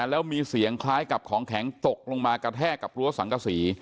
แล้วมีเสียงคล้ายกับของแข็งตกลงมากระแทกกับรั้วสังกษี